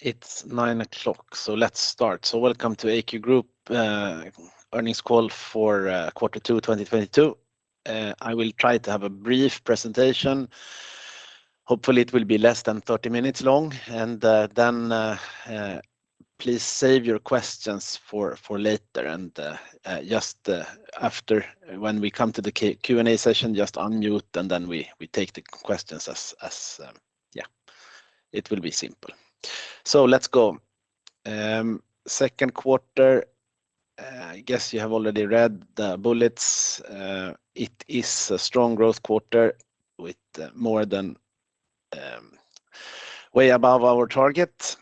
It's 9:00 A.M., so let's start. Welcome to AQ Group Earnings Call for Quarter Two, 2022. I will try to have a brief presentation. Hopefully, it will be less than 30 minutes long, and then please save your questions for later. Just after when we come to the Q&A session, just unmute, and then we take the questions as. It will be simple. Let's go. Second quarter, I guess you have already read the bullets. It is a strong growth quarter with more than way above our target.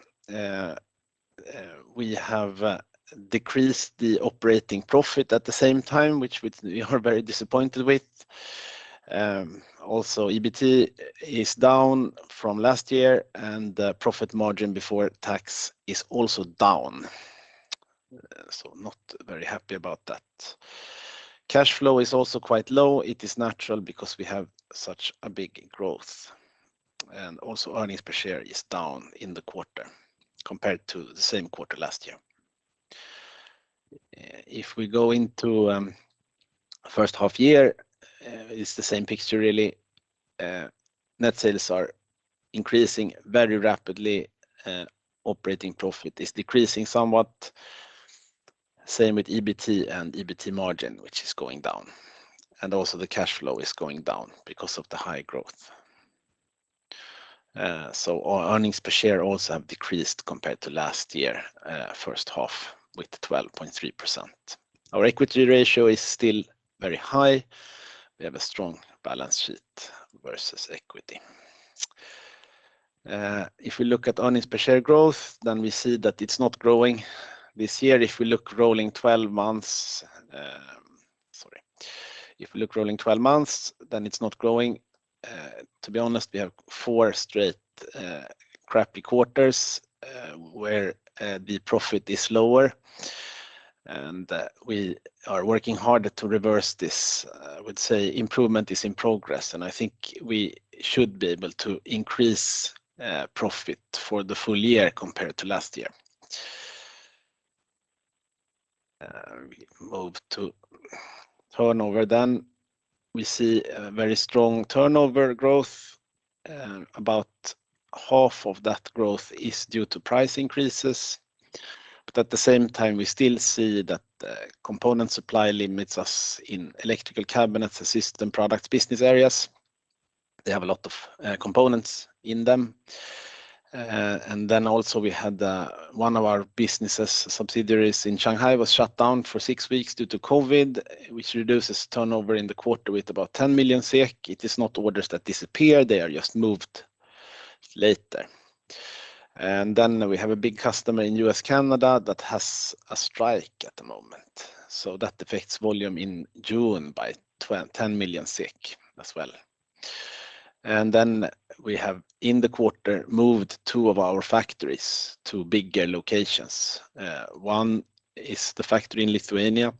We have decreased the operating profit at the same time, which we are very disappointed with. Also, EBT is down from last year, and the profit margin before tax is also down, so not very happy about that. Cash flow is also quite low. It is natural because we have such a big growth, and also earnings per share is down in the quarter compared to the same quarter last year. If we go into first half year, it's the same picture really. Net sales are increasing very rapidly. Operating profit is decreasing somewhat. Same with EBT and EBT margin, which is going down, and also the cash flow is going down because of the high growth. Our earnings per share also have decreased compared to last year, first half with 12.3%. Our equity ratio is still very high. We have a strong balance sheet versus equity. If we look at earnings per share growth, then we see that it's not growing this year. If we look rolling 12 months, then it's not growing. To be honest, we have four straight, crappy quarters, where the profit is lower, and we are working hard to reverse this. I would say improvement is in progress, and I think we should be able to increase profit for the full year compared to last year. We move to turnover then. We see a very strong turnover growth. About half of that growth is due to price increases. At the same time, we still see that component supply limits us in electrical cabinets, System Products business areas. They have a lot of components in them. We had one of our business subsidiaries in Shanghai shut down for six weeks due to COVID, which reduces turnover in the quarter by about 10 million SEK. It is not orders that disappear. They are just moved later. We have a big customer in U.S., Canada that has a strike at the moment, so that affects volume in June by 10 million-20 million as well. We have moved two of our factories to bigger locations in the quarter. One is the factory in Lithuania,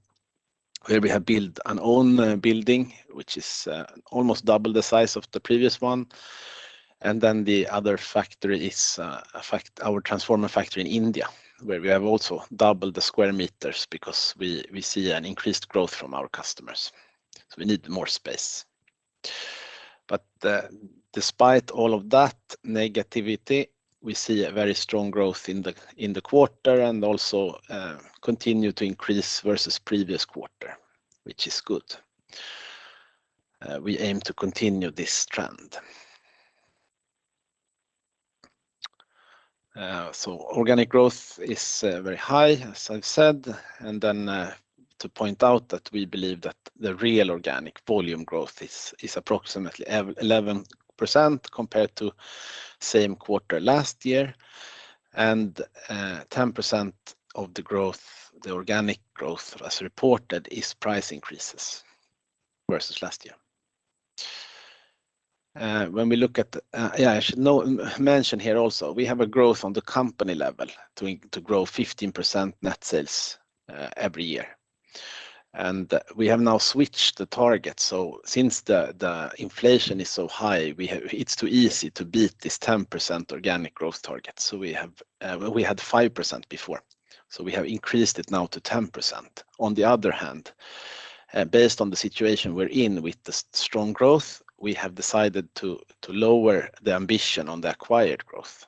where we have built our own building, which is almost double the size of the previous one. The other factory is our transformer factory in India, where we have also doubled the square meters because we see an increased growth from our customers, so we need more space. Despite all of that negativity, we see a very strong growth in the quarter and also continue to increase versus previous quarter, which is good. We aim to continue this trend. Organic growth is very high, as I've said. To point out that we believe that the real organic volume growth is approximately 11% compared to same quarter last year. 10% of the growth, the organic growth as reported, is price increases versus last year. When we look at... I should mention here also, we have a growth on the company level to grow 15% net sales every year. We have now switched the target. Since the inflation is so high, it's too easy to beat this 10% organic growth target, so we have increased it now to 10%. On the other hand, based on the situation we're in with the strong growth, we have decided to lower the ambition on the acquired growth.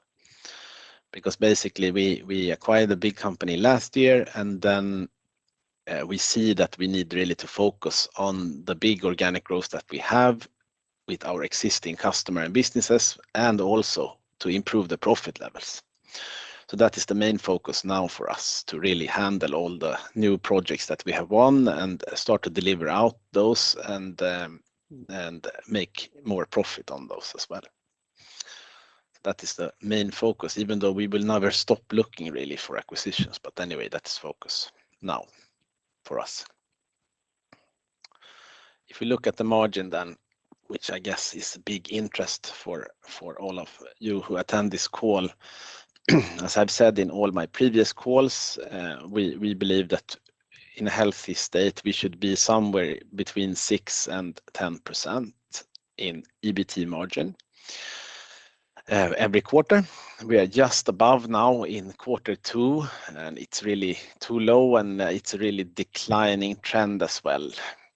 Because basically, we acquired a big company last year, and then we see that we need really to focus on the big organic growth that we have with our existing customer and businesses and also to improve the profit levels. That is the main focus now for us, to really handle all the new projects that we have won and start to deliver out those and make more profit on those as well. That is the main focus, even though we will never stop looking really for acquisitions. Anyway, that's focus now for us. If we look at the margin then, which I guess is a big interest for all of you who attend this call, as I've said in all my previous calls, we believe that in a healthy state, we should be somewhere between 6%-10%. In EBT margin, every quarter we are just above now in quarter two, and it's really too low and it's a really declining trend as well.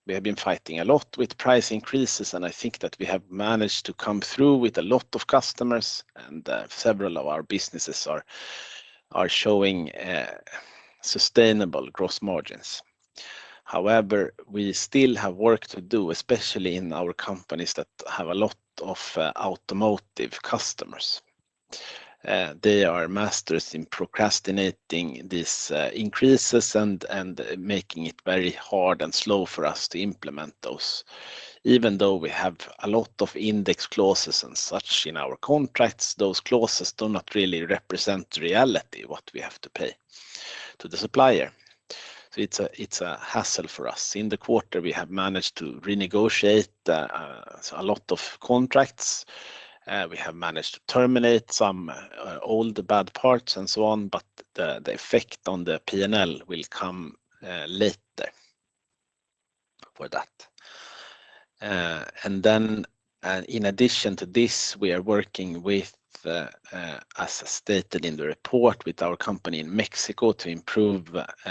We have been fighting a lot with price increases, and I think that we have managed to come through with a lot of customers and several of our businesses are showing sustainable gross margins. However, we still have work to do, especially in our companies that have a lot of automotive customers. They are masters in procrastinating these increases and making it very hard and slow for us to implement those. Even though we have a lot of index clauses and such in our contracts, those clauses do not really represent reality, what we have to pay to the supplier. It's a hassle for us. In the quarter, we have managed to renegotiate a lot of contracts. We have managed to terminate some old bad parts and so on, but the effect on the P&L will come later for that. In addition to this, we are working, as stated in the report, with our company in Mexico to improve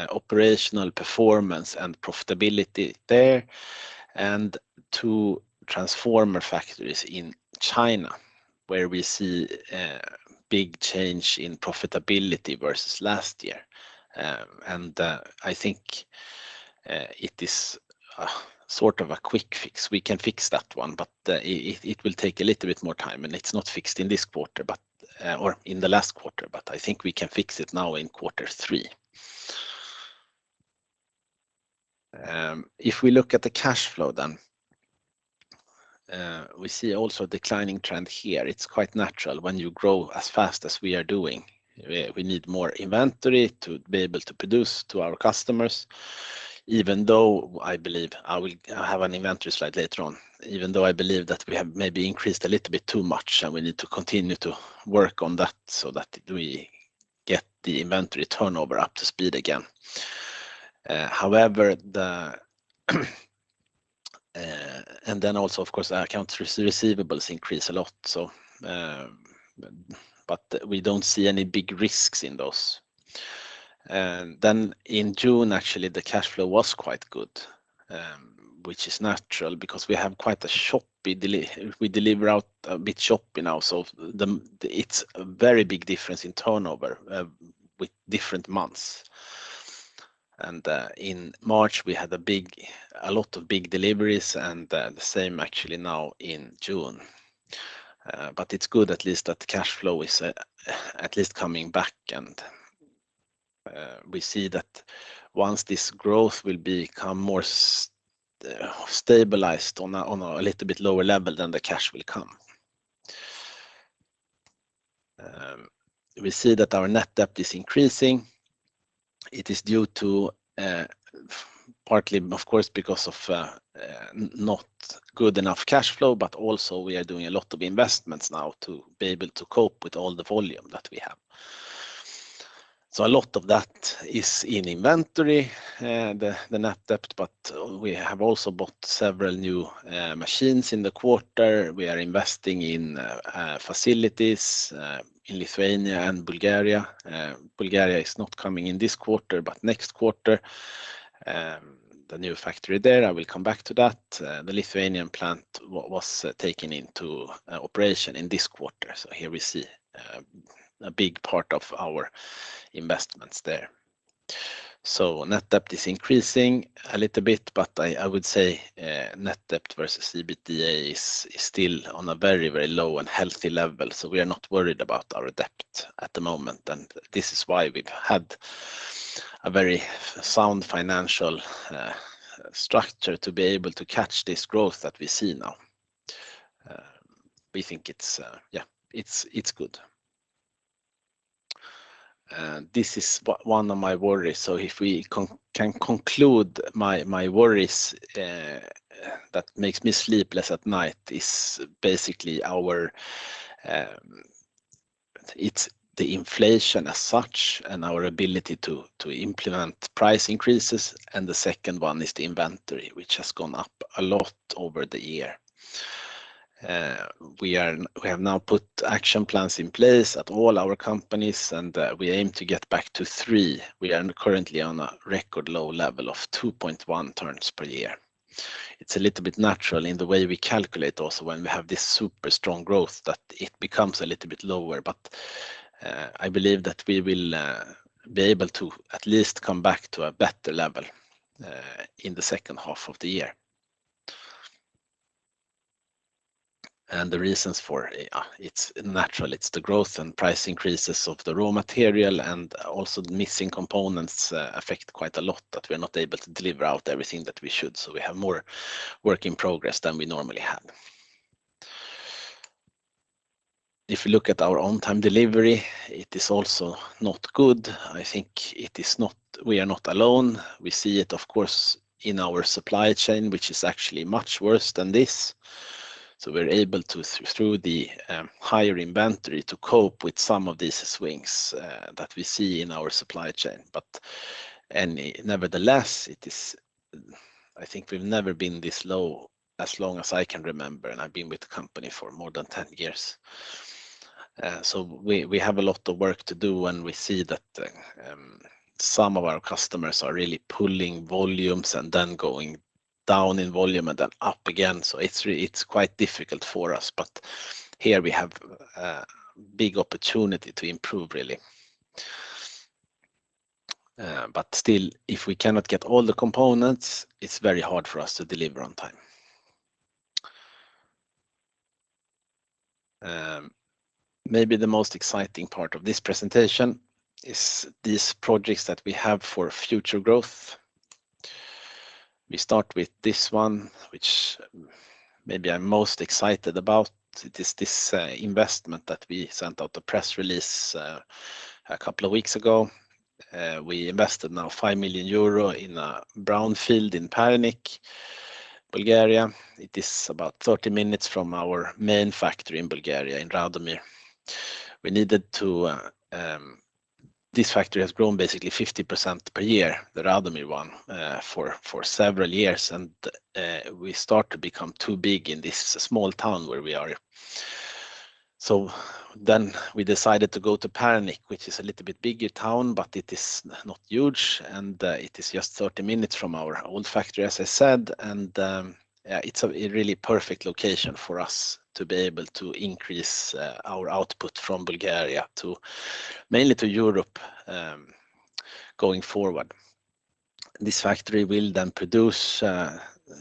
operational performance and profitability there and two transformer factories in China where we see a big change in profitability versus last year. I think it is sort of a quick fix. We can fix that one, but it will take a little bit more time, and it's not fixed in this quarter or in the last quarter, but I think we can fix it now in quarter three. If we look at the cash flow then, we see also a declining trend here. It's quite natural when you grow as fast as we are doing. We need more inventory to be able to produce to our customers, even though I believe I have an inventory slide later on. Even though I believe that we have maybe increased a little bit too much and we need to continue to work on that so that we get the inventory turnover up to speed again. However, and then also of course, our accounts receivables increase a lot, but we don't see any big risks in those. In June, actually, the cash flow was quite good, which is natural because we deliver out a bit choppy now. It's a very big difference in turnover with different months. In March, we had a lot of big deliveries and the same actually now in June. It's good at least that cash flow is at least coming back and we see that once this growth will become more stabilized on a little bit lower level than the cash will come. We see that our net debt is increasing. It is due to partly of course because of not good enough cash flow, but also we are doing a lot of investments now to be able to cope with all the volume that we have. A lot of that is in inventory, the net debt, but we have also bought several new machines in the quarter. We are investing in facilities in Lithuania and Bulgaria. Bulgaria is not coming in this quarter, but next quarter. The new factory there, I will come back to that. The Lithuanian plant was taken into operation in this quarter. Here we see a big part of our investments there. Net debt is increasing a little bit, but I would say net debt versus EBITDA is still on a very, very low and healthy level. We are not worried about our debt at the moment, and this is why we've had a very sound financial structure to be able to catch this growth that we see now. We think it's good. This is one of my worries. If we can conclude my worries that makes me sleepless at night is basically our. It's the inflation as such and our ability to implement price increases. The second one is the inventory, which has gone up a lot over the year. We have now put action plans in place at all our companies, and we aim to get back to three. We are currently on a record low level of 2.1 turns per year. It's a little bit natural in the way we calculate also when we have this super strong growth that it becomes a little bit lower. I believe that we will be able to at least come back to a better level in the second half of the year. The reasons for it's natural, it's the growth and price increases of the raw material and also the missing components affect quite a lot that we are not able to deliver out everything that we should, so we have more work in progress than we normally have. If you look at our on-time delivery, it is also not good. We are not alone. We see it of course in our supply chain, which is actually much worse than this. So we're able to through the higher inventory to cope with some of these swings that we see in our supply chain. But nevertheless, it is. I think we've never been this low as long as I can remember, and I've been with the company for more than 10 years. We have a lot of work to do, and we see that some of our customers are really pulling volumes and then going down in volume and then up again. It's quite difficult for us, but here we have a big opportunity to improve really. Still, if we cannot get all the components, it's very hard for us to deliver on time. Maybe the most exciting part of this presentation is these projects that we have for future growth. We start with this one, which maybe I'm most excited about. It is this investment that we sent out a press release a couple of weeks ago. We invested now 5 million euro in a brownfield in Pernik, Bulgaria. It is about 30 minutes from our main factory in Bulgaria in Radomir. This factory has grown basically 50% per year, the Radomir one, for several years, and we start to become too big in this small town where we are. We decided to go to Pernik, which is a little bit bigger town, but it is not huge, and it is just 30 minutes from our old factory, as I said. It's a really perfect location for us to be able to increase our output from Bulgaria mainly to Europe going forward. This factory will then produce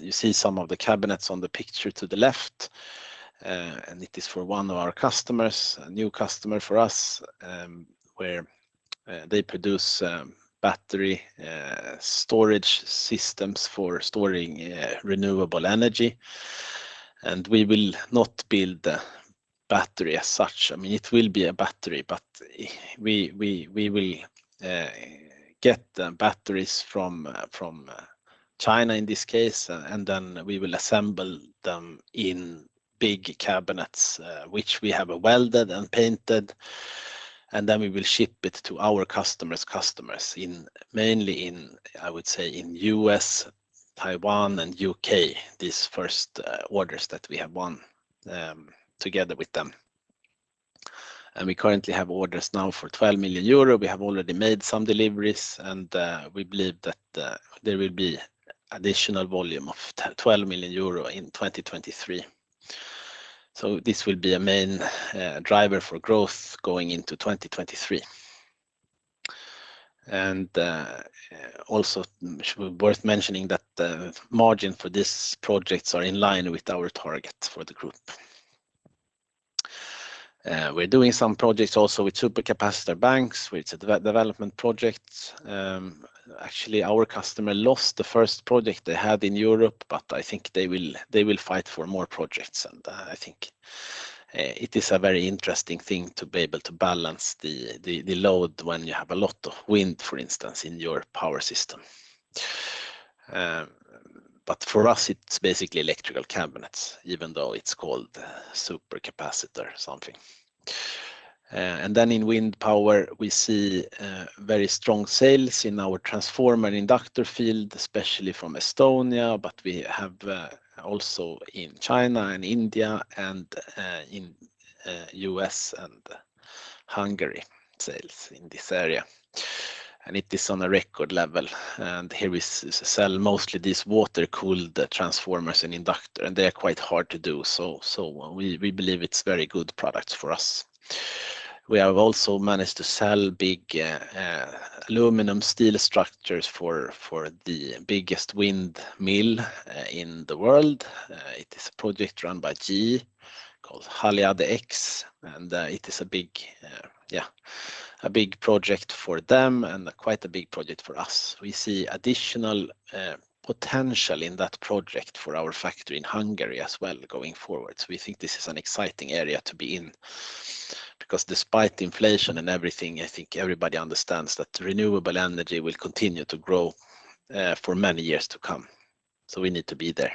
you see some of the cabinets on the picture to the left, and it is for one of our customers, a new customer for us, where they produce battery storage systems for storing renewable energy. We will not build the battery as such. I mean, it will be a battery, but we will get the batteries from China in this case, and then we will assemble them in big cabinets, which we have welded and painted, and then we will ship it to our customers mainly in, I would say, in U.S., Taiwan and U.K., these first orders that we have won together with them. We currently have orders for 12 million euro. We have already made some deliveries, and we believe that there will be additional volume of 12 million euro in 2023. This will be a main driver for growth going into 2023. Also worth mentioning that the margin for these projects are in line with our target for the group. We're doing some projects also with supercapacitor banks, which development projects. Actually, our customer lost the first project they had in Europe, but I think they will fight for more projects. I think it is a very interesting thing to be able to balance the load when you have a lot of wind, for instance, in your power system. But for us, it's basically electrical cabinets, even though it's called supercapacitor something. Then in wind power, we see very strong sales in our transformer inductor field, especially from Estonia, but we have also in China and India and in U.S. and Hungary sales in this area. It is on a record level. Here we sell mostly these water-cooled transformers and inductor, and they are quite hard to do. We believe it's very good products for us. We have also managed to sell big aluminum steel structures for the biggest windmill in the world. It is a project run by GE called Haliade-X, and it is a big project for them and quite a big project for us. We see additional potential in that project for our factory in Hungary as well going forward. We think this is an exciting area to be in because despite inflation and everything, I think everybody understands that renewable energy will continue to grow for many years to come. We need to be there.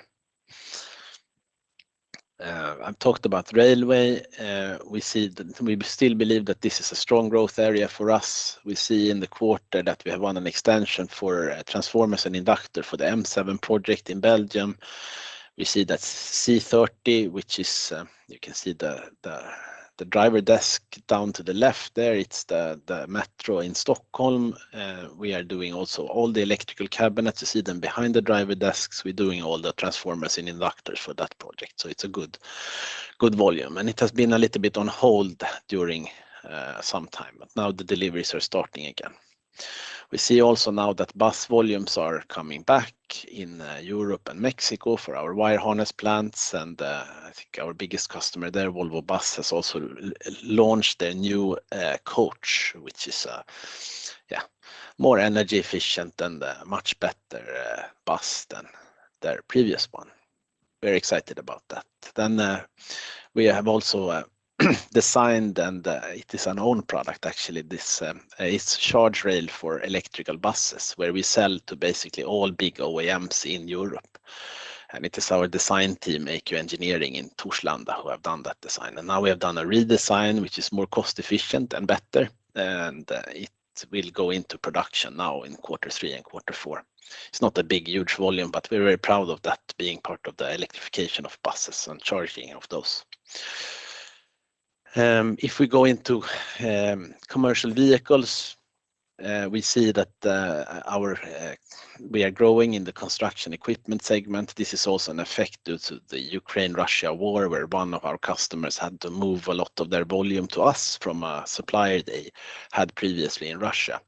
I've talked about railway. We still believe that this is a strong growth area for us. We see in the quarter that we have won an extension for transformers and inductor for the M7 project in Belgium. We see that C30, which is, you can see the driver desk down to the left there. It's the metro in Stockholm. We are doing also all the electrical cabinets. You see them behind the driver desks. We're doing all the transformers and inductors for that project. It's a good volume. It has been a little bit on hold during some time, but now the deliveries are starting again. We see also now that bus volumes are coming back in Europe and Mexico for our wire harness plants. I think our biggest customer there, Volvo Buses, has also launched their new coach, which is, yeah, more energy efficient and a much better bus than their previous one. Very excited about that. We have also designed, and it is an own product, actually. This, it's Charging rail for electric buses, where we sell to basically all big OEMs in Europe. It is our design team, AQ Engineering in Torslanda who have done that design. Now we have done a redesign which is more cost efficient and better, and it will go into production now in quarter three and quarter four. It's not a big, huge volume, but we're very proud of that being part of the electrification of buses and charging of those. If we go into commercial vehicles, we see that we are growing in the construction equipment segment. This is also an effect due to the Ukraine-Russia war, where one of our customers had to move a lot of their volume to us from a supplier they had previously in Russia.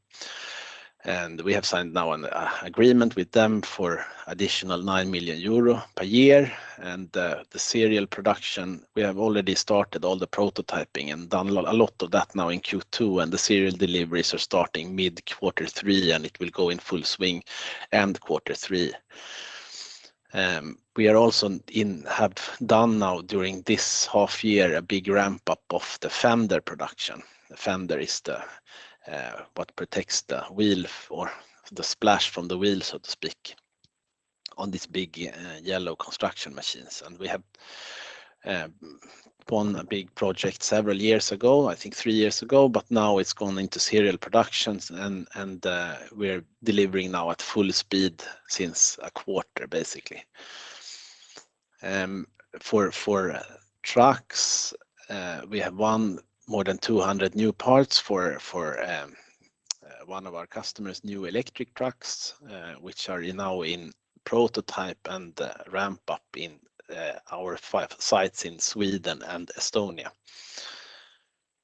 We have signed now an agreement with them for additional 9 million euro per year. The serial production, we have already started all the prototyping and done a lot of that now in Q2, and the serial deliveries are starting mid quarter three, and it will go in full swing end quarter three. We have also done now during this half year a big ramp-up of the fender production. The fender is the what protects the wheel for the splash from the wheel, so to speak, on these big yellow construction machines. We have won a big project several years ago, I think three years ago, but now it's gone into serial productions and we're delivering now at full speed since a quarter, basically. For trucks, we have won more than 200 new parts for one of our customers' new electric trucks, which are now in prototype and ramp-up in our five sites in Sweden and Estonia.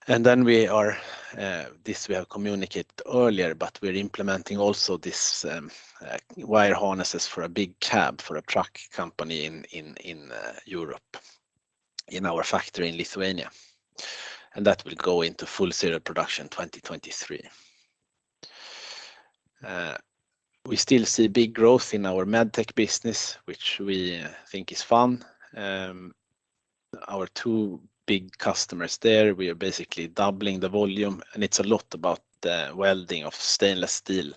Then we are, this we have communicated earlier, but we're implementing also this wire harnesses for a big cab for a truck company in Europe in our factory in Lithuania. That will go into full serial production 2023. We still see big growth in our med tech business, which we think is fun. Our two big customers there, we are basically doubling the volume, and it's a lot about the welding of stainless steel.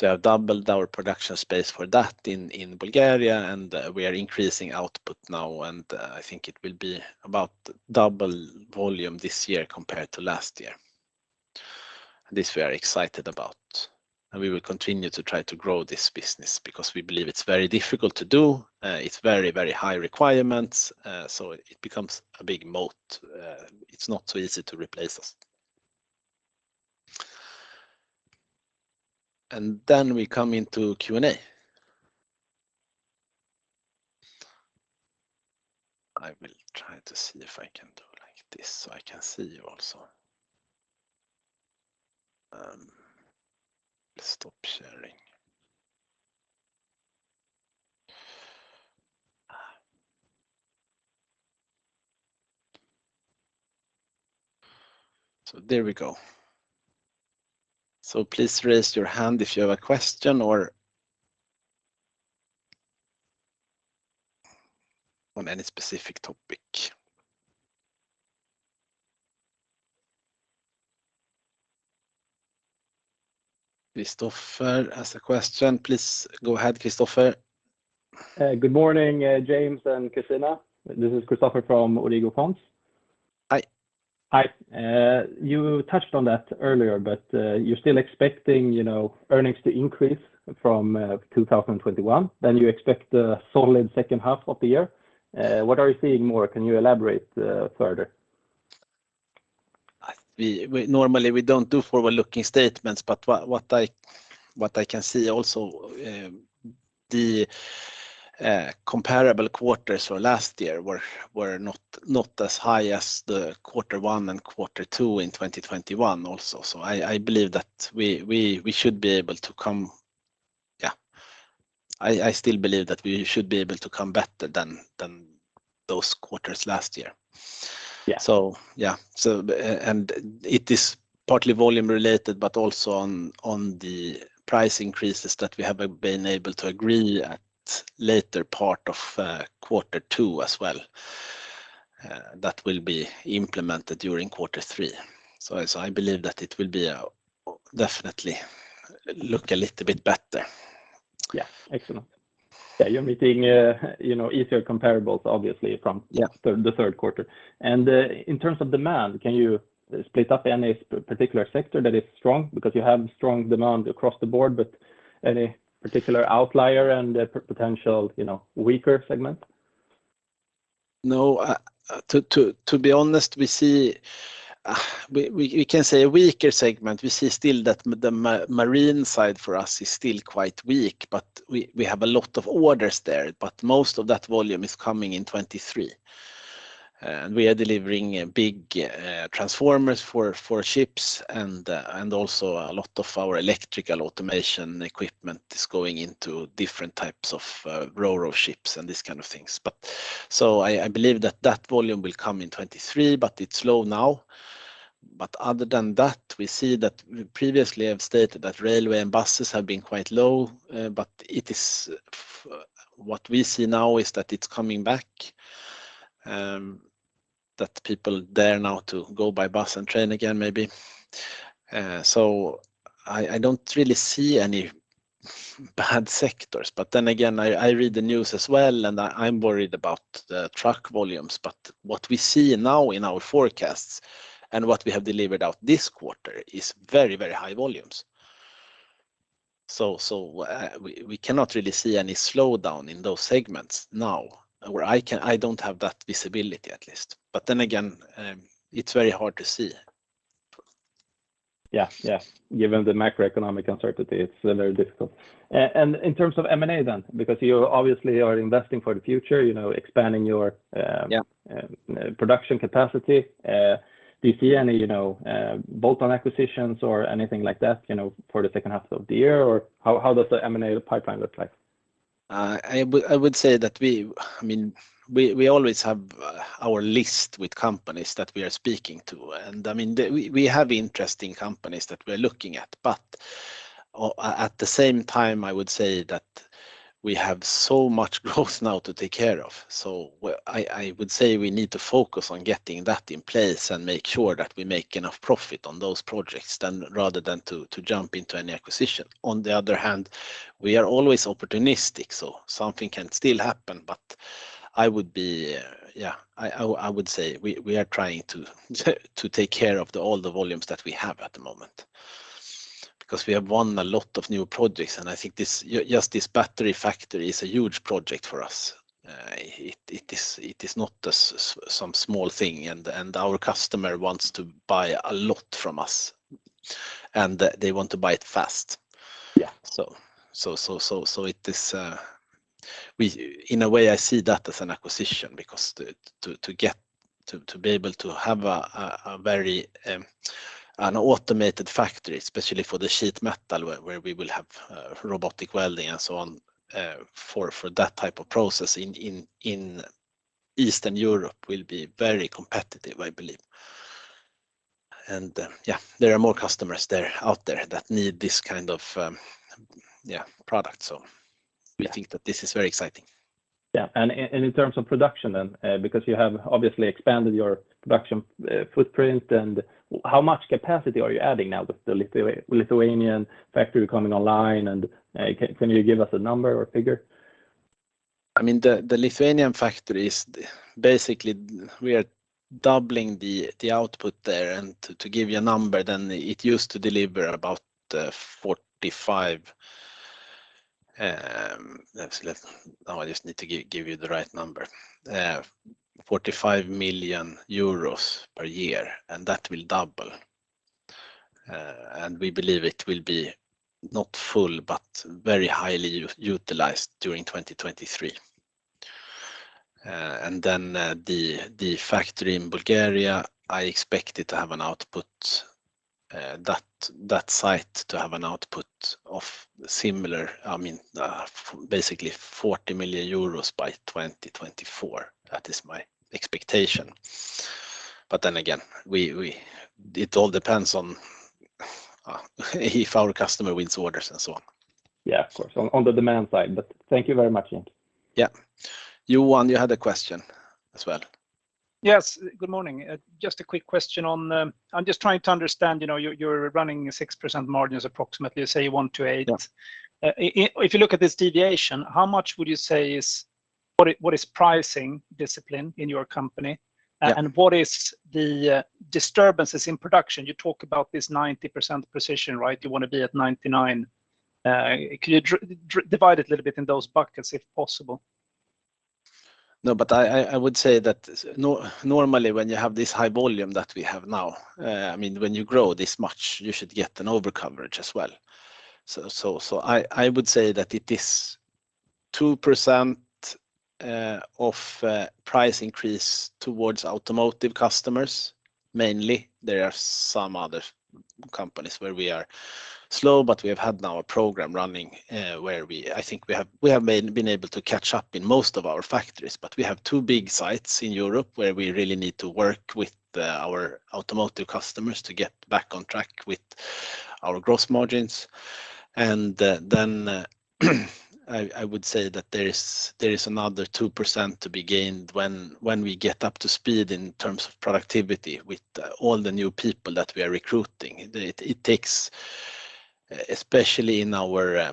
We have doubled our production space for that in Bulgaria, and we are increasing output now, and I think it will be about double volume this year compared to last year. This we are excited about, and we will continue to try to grow this business because we believe it's very difficult to do. It's very, very high requirements, so it becomes a big moat. It's not so easy to replace us. We come into Q&A. I will try to see if I can do like this so I can see you also. Stop sharing. There we go. Please raise your hand if you have a question or on any specific topic. Christoffer has a question. Please go ahead, Christoffer. Good morning, James and Christina. This is Christoffer from Obligo Funds. Hi. Hi. You touched on that earlier, but, you're still expecting, you know, earnings to increase from 2021. You expect a solid second half of the year. What are you seeing more? Can you elaborate further? We normally don't do forward-looking statements, but what I can see also, the comparable quarters for last year were not as high as the quarter one and quarter two in 2021 also. I still believe that we should be able to come better than those quarters last year. Yeah. It is partly volume related but also on the price increases that we have been able to agree at later part of quarter two as well that will be implemented during quarter three. As I believe that it will be definitely look a little bit better. Yeah. Excellent. Yeah, you're meeting, you know, easier comparables obviously. Yeah. the third quarter. In terms of demand, can you split up any particular sector that is strong? Because you have strong demand across the board, but any particular outlier and a potential, you know, weaker segment? No, to be honest, we see we can say a weaker segment. We see still that the marine side for us is still quite weak, but we have a lot of orders there. Most of that volume is coming in 2023. We are delivering big transformers for ships and also a lot of our electrical automation equipment is going into different types of ro-ro ships and these kind of things. I believe that that volume will come in 2023, but it's low now. Other than that, we see that we previously have stated that railway and buses have been quite low, but what we see now is that it's coming back. That people dare now to go by bus and train again maybe. I don't really see any bad sectors, but then again, I read the news as well, and I'm worried about the truck volumes. What we see now in our forecasts and what we have delivered out this quarter is very, very high volumes. We cannot really see any slowdown in those segments now, or I don't have that visibility at least. It's very hard to see. Yes. Given the macroeconomic uncertainty, it's very difficult. In terms of M&A then, because you obviously are investing for the future, you know, expanding your, Yeah Production capacity, do you see any, you know, bolt-on acquisitions or anything like that, you know, for the second half of the year? Or how does the M&A pipeline look like? I would say that we, I mean, we always have our list with companies that we are speaking to, and I mean, we have interesting companies that we're looking at. At the same time, I would say that we have so much growth now to take care of. I would say we need to focus on getting that in place and make sure that we make enough profit on those projects than rather than to jump into any acquisition. On the other hand, we are always opportunistic, so something can still happen. I would say we are trying to take care of all the volumes that we have at the moment because we have won a lot of new projects. I think this battery factory is a huge project for us. It is not just some small thing. Our customer wants to buy a lot from us, and they want to buy it fast. Yeah. It is in a way I see that as an acquisition because to get to be able to have a very automated factory, especially for the sheet metal where we will have robotic welding and so on, for that type of process in Eastern Europe will be very competitive, I believe. There are more customers there out there that need this kind of product. We think that this is very exciting. Yeah. In terms of production then, because you have obviously expanded your production footprint and how much capacity are you adding now with the Lithuanian factory coming online, can you give us a number or figure? I mean, the Lithuanian factory is basically we are doubling the output there and to give you a number then it used to deliver about 45 million euros per year, and that will double. We believe it will be not full, but very highly utilized during 2023. The factory in Bulgaria, I expect it to have an output, that site to have an output of similar, I mean, basically 40 million euros by 2024. That is my expectation. It all depends on if our customer wins orders and so on. Yeah, of course. On the demand side. Thank you very much, James. Yeah. Johan, you had a question as well. Yes. Good morning. Just a quick question on, I'm just trying to understand, you know, you're running 6% margins approximately, say 1%-8%. Yeah. If you look at this deviation, how much would you say is, what is pricing discipline in your company? Yeah. What is the disturbances in production? You talk about this 90% precision, right? You wanna be at 99. Could you divide it a little bit in those buckets if possible? No, I would say that normally when you have this high volume that we have now, I mean, when you grow this much, you should get an overcoverage as well. I would say that it is 2% price increase towards automotive customers mainly. There are some other companies where we are slow, but we have had now a program running, where I think we have been able to catch up in most of our factories, but we have two big sites in Europe where we really need to work with our automotive customers to get back on track with our gross margins. I would say that there is another 2% to be gained when we get up to speed in terms of productivity with all the new people that we are recruiting. It takes, especially in our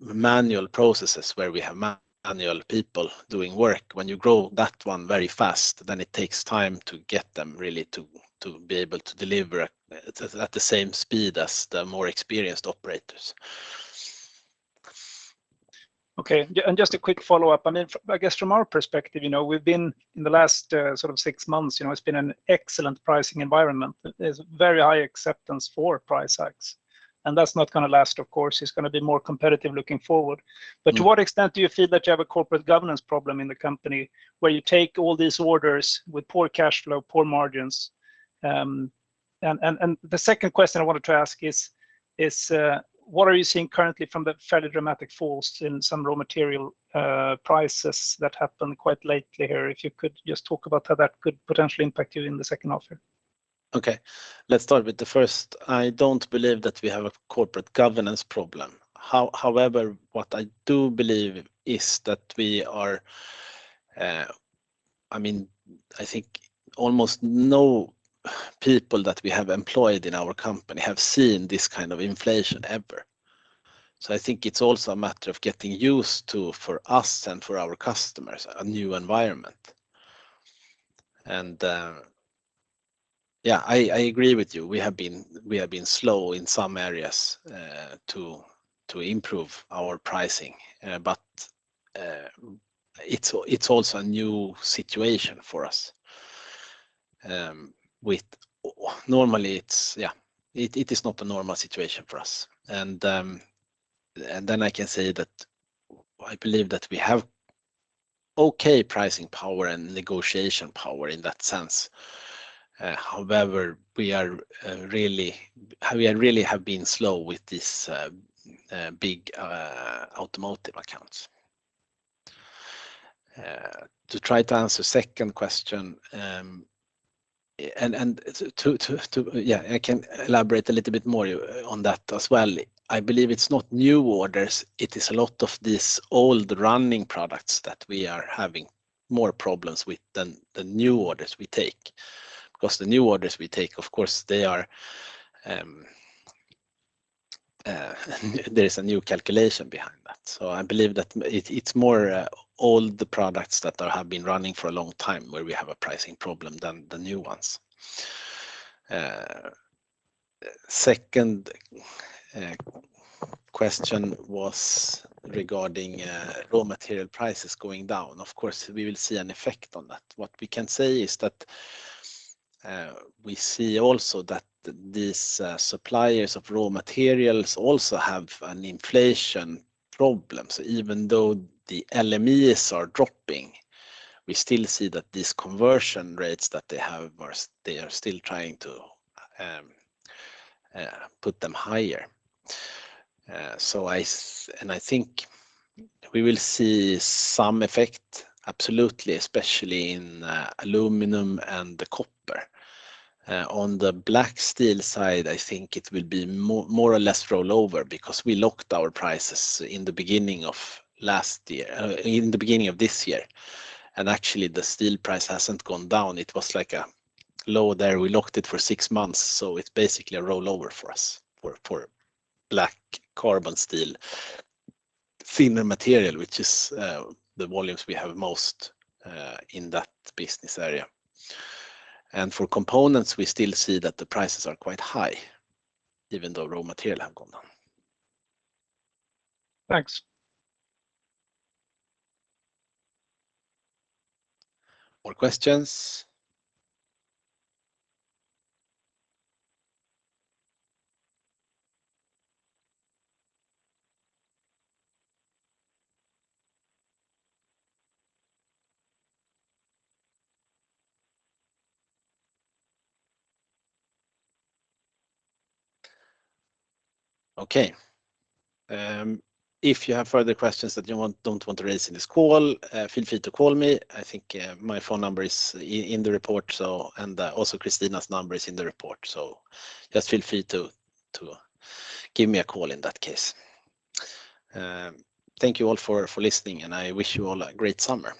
manual processes where we have manual people doing work, when you grow that one very fast, then it takes time to get them really to be able to deliver at the same speed as the more experienced operators. Okay. Yeah, just a quick follow-up. I mean, I guess from our perspective, you know, we've been in the last, sort of six months, you know, it's been an excellent pricing environment. There's very high acceptance for price hikes, and that's not gonna last, of course. It's gonna be more competitive looking forward. Mm-hmm. To what extent do you feel that you have a corporate governance problem in the company where you take all these orders with poor cash flow, poor margins? The second question I wanted to ask is, what are you seeing currently from the fairly dramatic falls in some raw material prices that happened quite lately here? If you could just talk about how that could potentially impact you in the second half year. Okay, let's start with the first. I don't believe that we have a corporate governance problem. However, what I do believe is that we are, I mean, I think almost no people that we have employed in our company have seen this kind of inflation ever. I think it's also a matter of getting used to, for us and for our customers, a new environment. Yeah, I agree with you. We have been slow in some areas to improve our pricing. It's also a new situation for us. It is not a normal situation for us. I can say that I believe that we have okay pricing power and negotiation power in that sense. However, we really have been slow with these big automotive accounts. To try to answer second question, I can elaborate a little bit more on that as well. I believe it's not new orders, it is a lot of these old running products that we are having more problems with than the new orders we take. Because the new orders we take, of course, there is a new calculation behind that. I believe that it's more old products that have been running for a long time where we have a pricing problem than the new ones. Second question was regarding raw material prices going down. Of course, we will see an effect on that. What we can say is that we see also that these suppliers of raw materials also have an inflation problem. Even though the LMEs are dropping, we still see that these conversion rates that they have are. They are still trying to put them higher. I think we will see some effect, absolutely, especially in aluminum and copper. On the black steel side, I think it will be more or less rollover because we locked our prices in the beginning of last year, in the beginning of this year, and actually the steel price hasn't gone down. It was like a low there. We locked it for six months, so it's basically a rollover for us for black carbon steel. Thinner material, which is the volumes we have most in that business area. For components, we still see that the prices are quite high even though raw materials have gone down. Thanks. More questions? Okay. If you have further questions that you want, don't want to raise in this call, feel free to call me. I think my phone number is in the report, so, and also Christina's number is in the report. So just feel free to give me a call in that case. Thank you all for listening, and I wish you all a great summer.